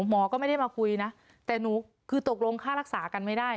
หมอก็ไม่ได้มาคุยนะแต่หนูคือตกลงค่ารักษากันไม่ได้